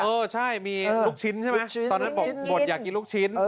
เออใช่มีลูกชิ้นใช่ไหมตอนนั้นบอกบทอยากกินลูกชิ้น